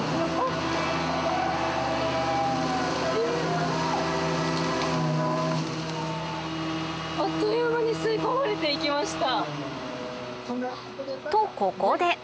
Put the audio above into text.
すごい。あっという間に吸い込まれていきました。